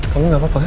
kamu gak apa apa ya